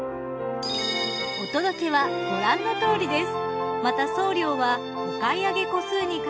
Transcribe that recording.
お届けはご覧のとおりです。